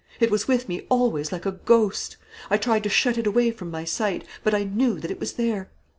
It was with me always like a ghost. I tried to shut it away from my sight; but I knew that it was there.